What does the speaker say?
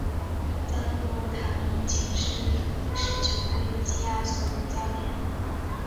赞布罗塔目前是瑞士球队基亚索主教练。